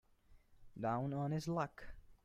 Down on his luck.